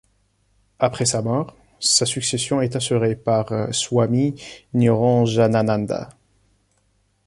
Après sa mort, sa succession est assurée par Swami Niranjanananda.